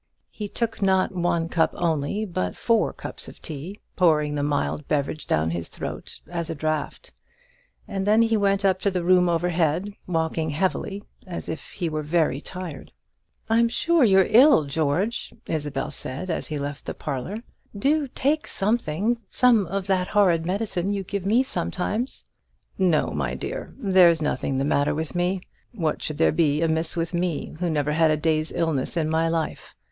He took not one cup only, but four cups of tea, pouring the mild beverage down his throat at a draught; and then he went up to the room overhead, walking heavily, as if he were very tired. "I'm sure you're ill, George," Isabel said, as he left the parlour; "do take something some of that horrid medicine you give me sometimes." "No, my dear, there's nothing the matter with me. What should there be amiss with me, who never had a day's illness in my life?